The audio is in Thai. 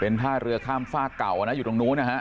เป็นท่าเรือข้ามฝ้าเก่าอ่ะนะอยู่ตรงนู้นนะฮะ